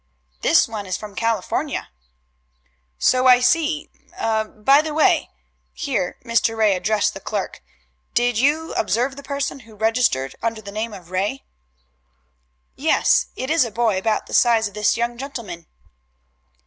"This one is from California." "So I see. By the way," here Mr. Ray addressed the clerk, "did you observe the person who registered under the name of Ray?" "Yes. It is a boy about the size of this young gentleman."